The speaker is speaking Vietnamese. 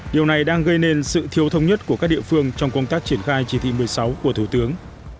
điều này đang gây nên sự thiếu thông nhất của các địa phương trong công tác triển khai chỉ thị một mươi sáu của thủ tướng